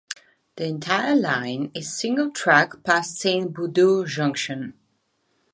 The entire line is single track past Saint Budeaux Junction.